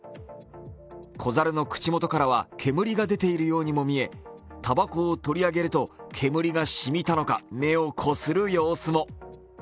子猿の口元からは煙が出ているようにも見えたばこを取り上げると煙がしみたのか目をこする様子も。